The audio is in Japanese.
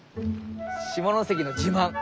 下関の自慢！